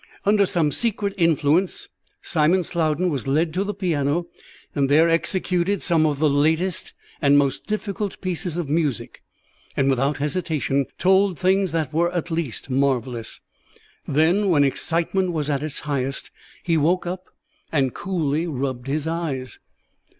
Under some secret influence Simon Slowden was led to the piano, and there executed some of the latest and most difficult pieces of music, and, without hesitation, told things that were at least marvellous. Then, when excitement was at the highest, he woke up, and coolly rubbed his eyes.